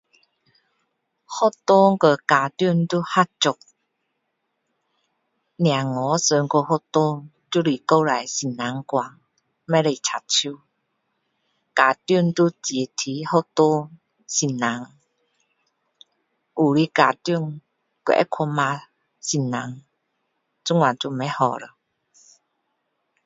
学校和家长要合作孩子送去学校就是交代老师管不可插手家长要支持学校老师有些家长还会去骂老师这样就不好了